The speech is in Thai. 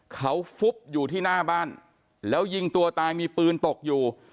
เขาฟุบอยู่ที่หน้าบ้านแล้วยิงตัวตายมีปืนตกอยู่